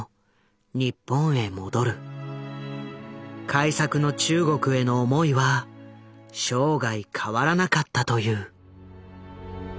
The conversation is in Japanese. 開作の中国への思いは生涯変わらなかったという。